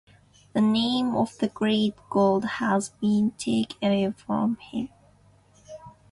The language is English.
The name of the great god has been taken away from him.